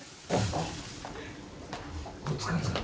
お疲れさん。